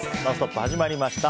始まりました。